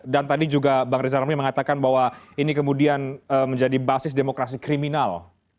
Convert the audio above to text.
dan tadi juga bang rizal rami mengatakan bahwa ini kemudian menjadi basis demokrasi kriminal